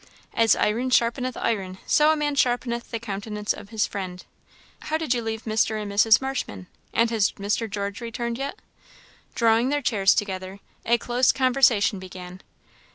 " 'As iron sharpeneth iron, so a man sharpeneth the countenance of his friend.' How did you leave Mr. and Mrs. Marshman? and has Mr. George returned yet?" Drawing their chairs together, a close conversation began.